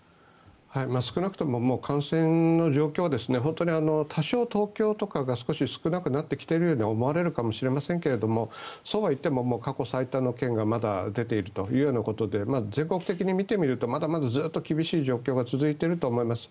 少なくとももう感染の状況は多少東京とかは少し少なくなってきてるように思われるかもしれませんがそうはいっても過去最多の県がまだ出ているということで全国的に見てみるとまだまだずっと厳しい状況が続いていると思います。